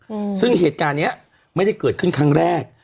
อืมซึ่งเหตุการณ์เนี้ยไม่ได้เกิดขึ้นครั้งแรก